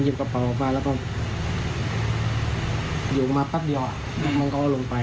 เหมือนมันล่วงนั่นไง